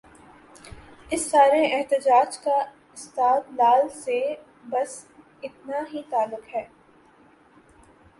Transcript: اس سارے احتجاج کا استدلال سے بس اتنا ہی تعلق ہے۔